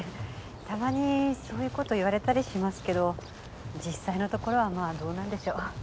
たまにそういう事言われたりしますけど実際のところはまあどうなんでしょう。